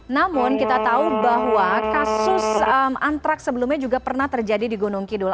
namun kita tahu bahwa kasus antraks sebelumnya juga pernah terjadi di gunung kidul